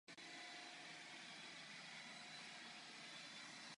Ve funkci poté zůstal Tom Hagen.